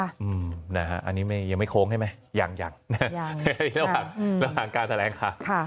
อันนี้ยังไม่โค้งใช่ไหมยังยังระหว่างการแถลงข่าว